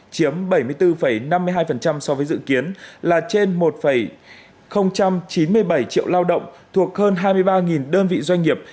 chiếm bảy mươi bốn năm mươi hai so với dự kiến là trên một chín mươi bảy triệu lao động thuộc hơn hai mươi ba đơn vị doanh nghiệp